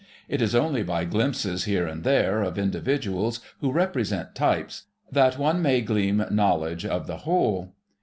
It is only by glimpses here and there of individuals who represent types that one may glean knowledge of the whole.